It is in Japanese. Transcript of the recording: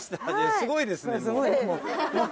すごいですね。